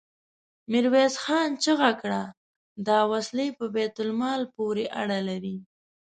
ميرويس خان چيغه کړه! دا وسلې په بيت المال پورې اړه لري.